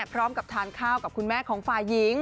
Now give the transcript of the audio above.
พร้อมกับทานข้าวกับคุณแม่ของฝ่ายหญิง